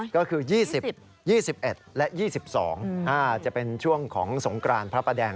ก็คือ๒๐๒๑และ๒๒จะเป็นช่วงของสงกรานพระประแดง